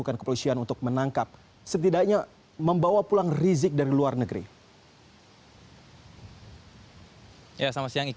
terima kasih pak